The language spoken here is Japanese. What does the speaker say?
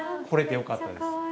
これてよかったです。